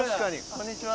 こんにちは。